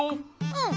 うん。